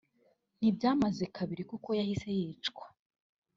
ntibyamaze kabiri kuko yahise yicwa